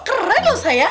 keren loh saya